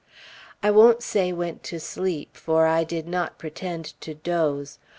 I won't say went to sleep, for I did not pretend to doze.